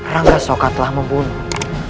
rangga soka telah membunuh